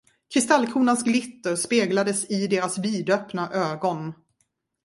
Kristallkronans glitter speglades i deras vidöppna ögon.